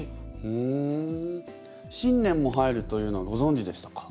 ふん新年も入るというのはごぞんじでしたか？